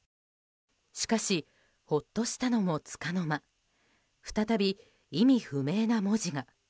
しかしほっとしたのもつかの間再び意味不明な文字が。